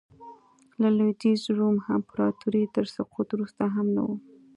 د لوېدیځ روم امپراتورۍ تر سقوط وروسته هم نه و